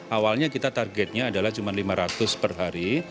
awalnya kita targetnya adalah cuma lima ratus per hari